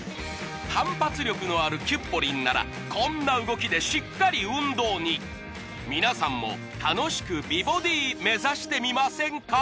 反発力のあるキュッポリンならこんな動きでしっかり運動に皆さんも楽しく美ボディ目指してみませんか？